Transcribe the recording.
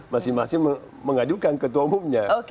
masing masing mengajukan ketua umumnya